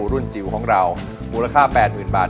รุ่นจิ๋วของเรามูลค่า๘๐๐๐บาท